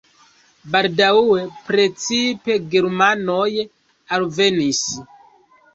Baldaŭe precipe germanoj alvenis.